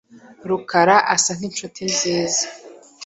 Rukara asa nkinshuti nziza.